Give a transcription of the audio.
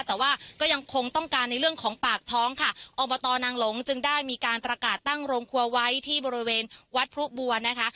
แต่ว่าก็ยังคงต้องการในเรื่องของปากท้องค่ะอบตนางหลงจึงได้มีการประกาศตั้งโรงครัวไว้ที่บริเวณวัดพลุบัวนะคะ